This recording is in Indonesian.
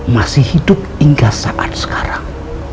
masih hidup hingga saat sekarang